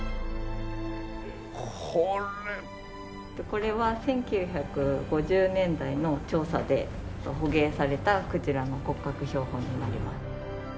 これは１９５０年代の調査で捕鯨されたクジラの骨格標本になります。